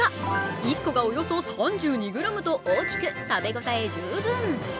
１個がおよそ３２ｇと大きく、食べ応え十分。